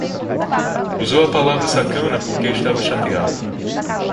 Usou a palavra sacana porque estava chateado